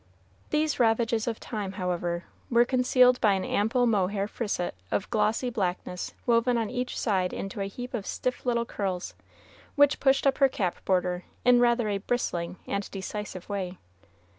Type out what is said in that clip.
These ravages of time, however, were concealed by an ample mohair frisette of glossy blackness woven on each side into a heap of stiff little curls, which pushed up her cap border in rather a bristling and decisive way.